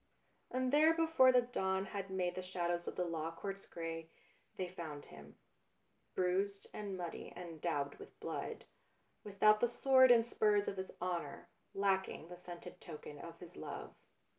And there, before the dawn had made the shadows of the Law Courts grey, they found him ; bruised and muddy and daubed with blood, without the sword and spurs of his honour, lacking the scented token of his love.